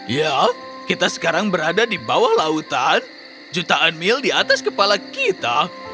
ya kita sekarang berada di bawah lautan jutaan mil di atas kepala kita